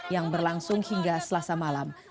yang berlangsung hingga selasa malam